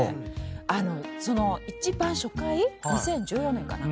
一番初回２０１４年かな。